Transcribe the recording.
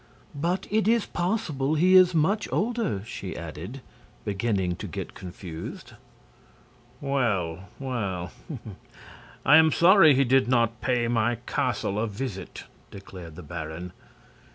"But it is possible he is much older," she added, beginning to get confused. "Well, well; I am sorry he did not pay my castle a visit," declared the baron.